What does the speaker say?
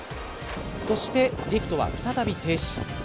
そして、リフトは再び停止。